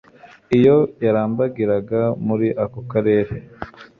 iyo yarambagiraga muri ako Karere.